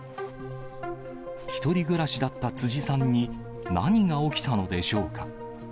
１人暮らしだった辻さんに何が起きたのでしょうか。